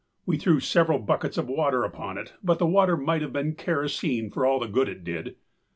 We threw several buckets of water upon it, but the water might have been kerosene for all the good it did.